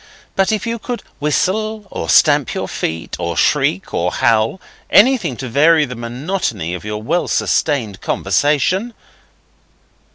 But if you could whistle, or stamp with your feet, or shriek or howl anything to vary the monotony of your well sustained conversation.